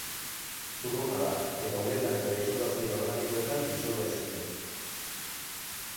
Zurruna da, eta uretan eta disolbatzaile organikoetan disolbaezina.